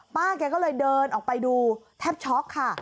ป้าแกก็เลยเดินออกไปดูแทบช็อกค่ะ